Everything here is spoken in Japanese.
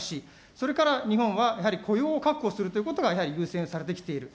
それから日本はやはり雇用を確保するということがやはり優先されてきている。